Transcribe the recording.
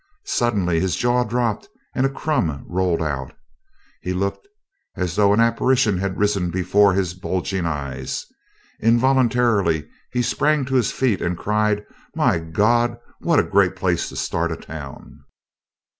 Suddenly his jaw dropped and a crumb rolled out. He looked as though an apparition had risen before his bulging eyes. Involuntarily he sprang to his feet and cried, "My Gawd what a great place to start a town!"